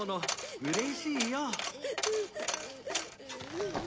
うれしいよ。